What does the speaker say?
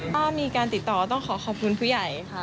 ถ้ามีการติดต่อต้องขอขอบคุณผู้ใหญ่ค่ะ